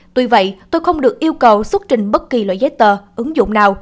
tuy vậy tôi không được yêu cầu xuất trình bất kỳ loại giấy tờ ứng dụng nào